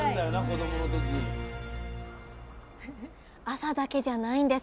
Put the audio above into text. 朝だけじゃないんです。